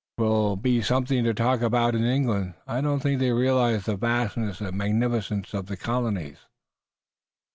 'Twill be something to talk about in England. I don't think they realize there the vastness and magnificence of the colonies."